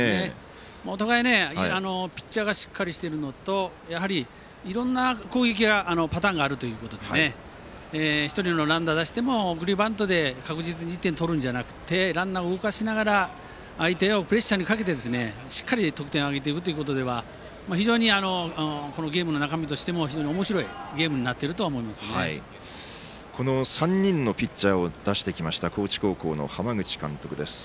お互い、ピッチャーがしっかりしているのと、やはりいろんな攻撃パターンがあるということで１人のランナーを出しても送りバントで確実に１点を取るんじゃなくてランナーを動かしながら、相手をプレッシャーにかけて、しっかり得点挙げていくという中では非常にこのゲームの中身としても非常におもしろい３人のピッチャーを出してきました高知高校の浜口監督です。